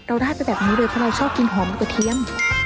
เราร่าจะแบบนี้เลยเพราะเราชอบกินห่อหมกกระเทียม